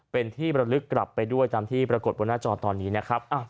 เป็นที่บรรลึกกลับไปด้วยตามที่ปรากฏบนหน้าจอตอนนี้นะครับ